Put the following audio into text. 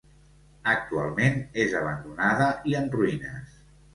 Actualment és abandonada i en ruïnes.